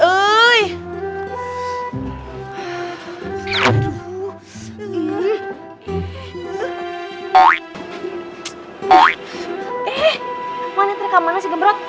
eh mana terekamannya sih gemrot